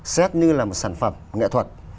xét như là một sản phẩm nghệ thuật